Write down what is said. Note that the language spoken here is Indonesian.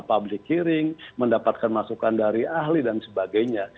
public hearing mendapatkan masukan dari ahli dan sebagainya